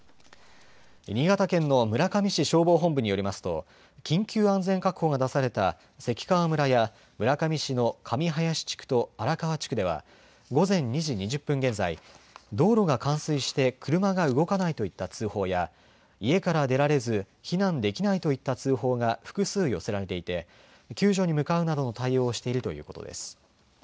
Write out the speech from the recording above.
新潟県の村上市消防本部によりますと緊急安全確保が出された関川村や村上市の神林地区と荒川地区では午前２時２０分現在道路が冠水して車が動かないといった通報や家から出られず避難できないといった通報が複数、寄せられていて救助に向かうなどの対応をしているということです。